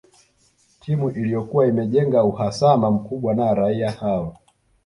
Timu Iliyokuwa imejenga uhasama mkubwa na raia hao